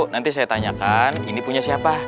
nanti saya tanyakan ini punya siapa